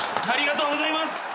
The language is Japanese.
ありがとうございます！